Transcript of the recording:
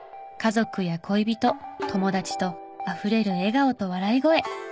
家族や恋人友達とあふれる笑顔と笑い声。